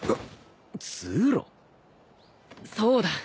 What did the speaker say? そうだ。